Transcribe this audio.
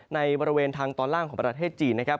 ในบริเวณทางตอนล่างของประเทศจีนนะครับ